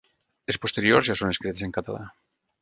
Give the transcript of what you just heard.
Les posteriors ja són escrites en català.